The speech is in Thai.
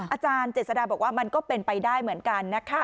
อาจารย์เจษฎาบอกว่ามันก็เป็นไปได้เหมือนกันนะคะ